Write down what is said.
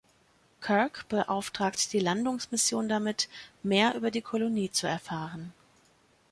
Kirk beauftragt die Landungsmission damit, mehr über die Kolonie zu erfahren.